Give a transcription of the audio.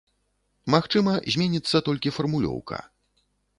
Магчыма, зменіцца толькі фармулёўка.